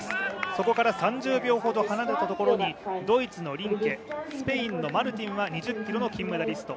そこから３０秒ほど離れたところにドイツのリンケ、スペインのマルティンは２０ｋｍの金メダリスト。